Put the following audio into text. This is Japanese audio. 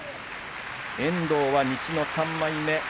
遠藤は西の３枚目。